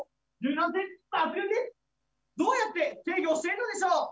どうやって制御をしているのでしょう？